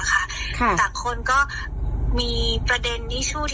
แต่คนก็มีประเด็นนี่ที่โชว์